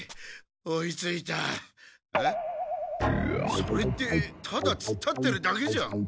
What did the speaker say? それってただつっ立ってるだけじゃん。